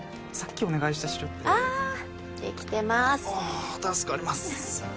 おお助かります。